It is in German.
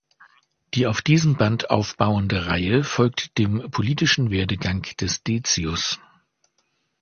Die auf diesem Band aufbauende Reihe folgt dem politischen Werdegang des Decius.